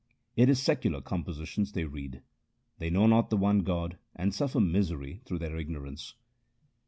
It is secular compositions they read ; they know not the one God, and suffer misery through their ignorance.